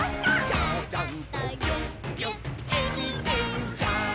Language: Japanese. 「ちゃちゃんとぎゅっぎゅっえびてんちゃん」